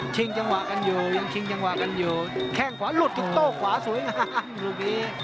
ชิงจังหวะกันอยู่ยังชิงจังหวะกันอยู่แข้งขวาหลุดอยู่โต๊ะขวาสวยงั้น